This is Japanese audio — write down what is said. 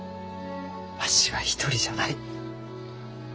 わしは一人じゃない。